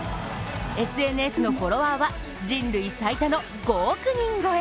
ＳＮＳのフォロワーは人類最多の５億人超え！